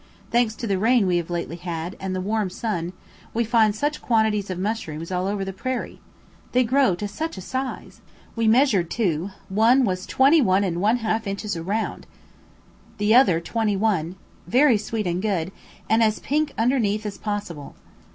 Thanks to the rain we have lately had, and the warm sun, we find such quantities of mushrooms all over the prairie. They grow to such a size! We measured two, one was 21 1/2 inches round, the other 21, very sweet and good, and as pink underneath as possible.